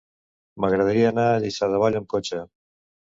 M'agradaria anar a Lliçà de Vall amb cotxe.